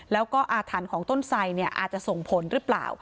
แล้วก็อาถรรพ์ของต้นไสเนี่ยอาจจะส่งผลหรือเปล่า